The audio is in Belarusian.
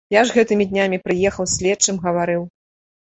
Я ж гэтымі днямі прыехаў, з следчым гаварыў.